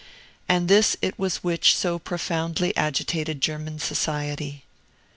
And this it was which so profoundly agitated German society.